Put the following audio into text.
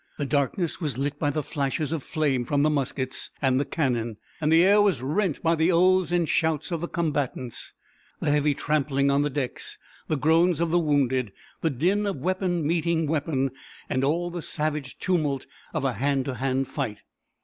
The darkness was lit by the flashes of flame from the muskets and the cannon, and the air was rent by the oaths and shouts of the combatants, the heavy trampling on the decks, the groans of the wounded, the din of weapon meeting weapon, and all the savage tumult of a hand to hand fight.